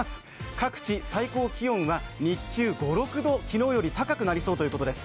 各地、最高気温は日中、５６度、昨日より高くなりそうということです。